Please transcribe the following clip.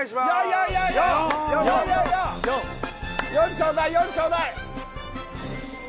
４ちょうだい４ちょうだいライン